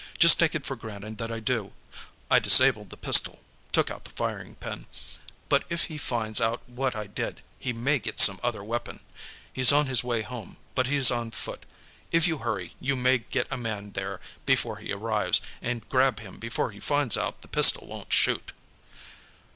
Just take it for granted that I do. I disabled the pistol took out the firing pin but if he finds out what I did, he may get some other weapon. He's on his way home, but he's on foot. If you hurry, you may get a man there before he arrives, and grab him before he finds out the pistol won't shoot."